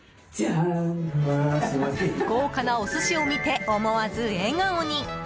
豪華なお寿司を見て思わず笑顔に。